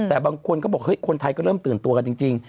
แต่บางคนก็บอกเฮ้ยคนไทยก็เริ่มตื่นตัวกันจริง